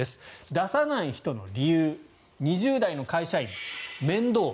出さない人の理由２０代の会社員面倒。